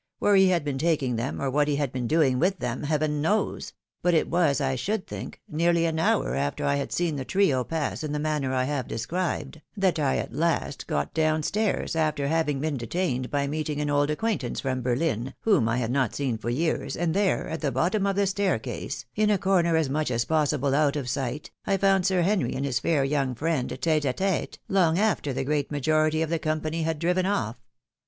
Where he had been taking them, or what he had been doing with them. Heaven knows ; but it was, I should think, nearly an hour after I had seen the trio pass in the manner I have described, that I at last got down stairs, after having been detained by meeting an old acquaintance from Berlin, whom I had not seen for years, and there, at the bottom of the staircase, in a corner as much as possible out of sight, I found Sir Henry and his fair young friend tete a tete, long after the great majority of the company had driven off.